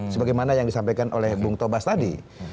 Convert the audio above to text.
sebagaimana yang disampaikan oleh bung tobas tadi